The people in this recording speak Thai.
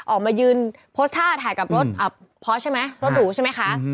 ออกมายืนโพสตาร์ถ่ายกับรถหรูใช่ไหม